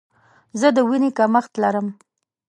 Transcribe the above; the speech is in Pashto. زه د ویني کمښت لرم.